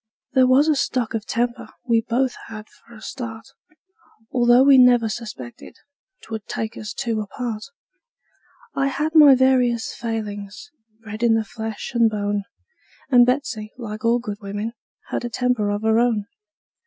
There was a stock of temper we both had for a start, Although we never suspected 'twould take us two apart; I had my various failings, bred in the flesh and bone; And Betsey, like all good women, had a temper of her own.